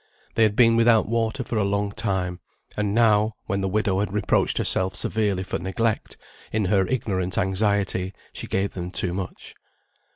They had been without water for a long time, and now, when the widow had reproached herself severely for neglect, in her ignorant anxiety, she gave them too much.